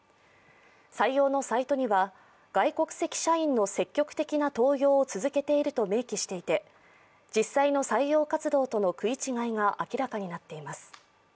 採用のサイトには、外国籍社員の積極的な登用を続けていると明記していて実際の採用活動との食い違いが明らかになっています。